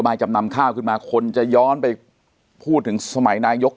จำนำข้าวขึ้นมาคนจะย้อนไปพูดถึงสมัยนายก